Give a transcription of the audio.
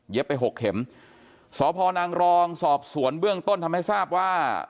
ไปหกเข็มสพนางรองสอบสวนเบื้องต้นทำให้ทราบว่า